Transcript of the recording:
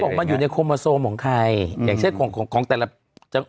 เขาบอกว่ามันอยู่ในโคโมโซมของใครอย่างเช่นของแต่ละ